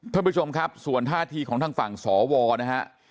ท่านผู้ชมครับส่วนท่าทีของทางฝั่งสวนะฮะ